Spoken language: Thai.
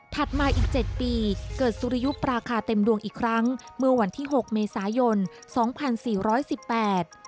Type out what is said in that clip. มาอีกเจ็ดปีเกิดสุริยุปราคาเต็มดวงอีกครั้งเมื่อวันที่หกเมษายนสองพันสี่ร้อยสิบแปด